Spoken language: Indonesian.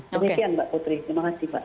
terima kasih mbak putri